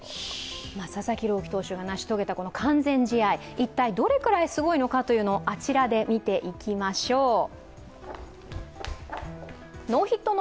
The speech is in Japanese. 佐々木朗希投手が成し遂げたこの完全試合一体、どれくらいすごいのか、あちらで見ていきましょう。